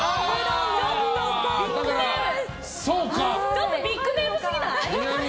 ちょっとビッグネームすぎない？